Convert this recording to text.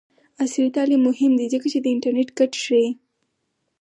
عصري تعلیم مهم دی ځکه چې د انټرنټ ګټې ښيي.